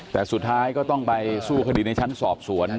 แต่สุดท้ายก็ต้องไปสู้คดีในชั้นสอบสวน